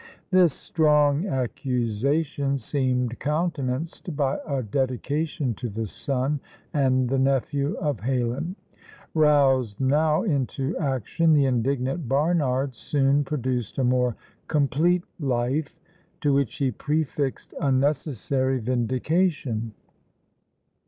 This strong accusation seemed countenanced by a dedication to the son and the nephew of Heylin. Roused now into action, the indignant Barnard soon produced a more complete Life, to which he prefixed "A necessary Vindication."